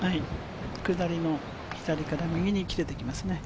下りの左から右に切れてきますね。